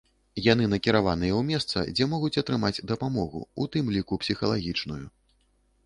Яны накіраваныя ў месца, дзе могуць атрымаць дапамогу, у тым ліку псіхалагічную.